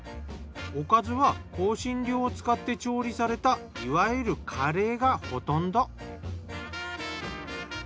おかずは香辛料を使って調理されたいわゆるカレーがほとんど。